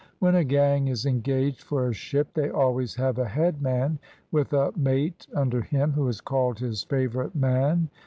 When a gang is engaged for a ship they always have a head man, with a mate under him, who is called his favourite man.